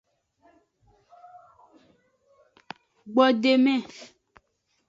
Gbodeme.